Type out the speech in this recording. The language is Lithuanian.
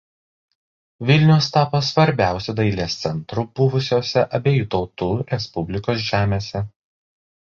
Vilnius tapo svarbiausiu dailės centru buvusiose Abiejų Tautų Respublikos žemėse.